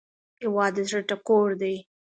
هیواد د زړه ټکور دی